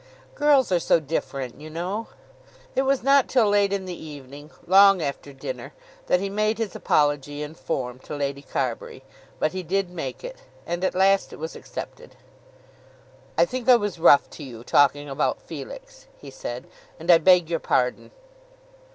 "Girls are so different, you know." It was not till late in the evening, long after dinner, that he made his apology in form to Lady Carbury; but he did make it, and at last it was accepted. "I think I was rough to you, talking about Felix," he said, "and I beg your pardon."